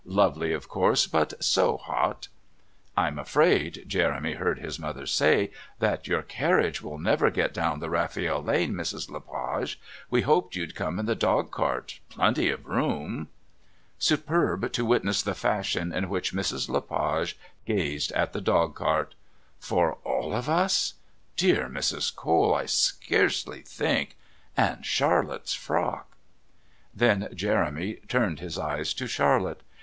Lovely, of course, but so hot." "I'm afraid," Jeremy heard his mother say, "that your carriage will never get down the Rafiel Lane, Mrs. Le Page. We hoped you'd come in the dog cart. Plenty of room..." Superb to witness the fashion in which Mrs. Le Page gazed at the dog cart. "For all of us?... Dear Mrs. Cole, I scarcely think And Charlotte's frock..." Then Jeremy turned his eyes to Charlotte.